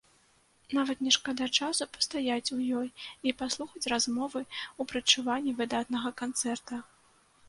Нават не шкада часу пастаяць у ёй і паслухаць размовы ў прадчуванні выдатнага канцэрта.